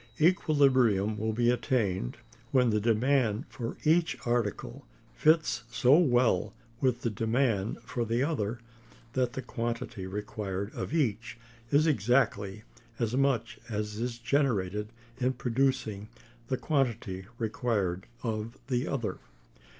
Equilibrium will be attained when the demand for each article fits so well with the demand for the other, that the quantity required of each is exactly as much as is generated in producing the quantity required of the other.